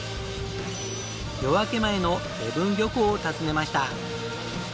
夜明け前の礼文漁港を訪ねました。